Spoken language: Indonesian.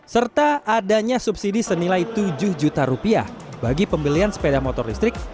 serta adanya subsidi senilai tujuh juta rupiah bagi pembelian sepeda motor listrik